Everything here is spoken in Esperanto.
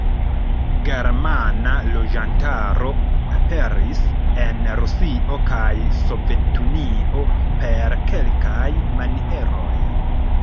Germana loĝantaro aperis en Rusio kaj Sovetunio per kelkaj manieroj.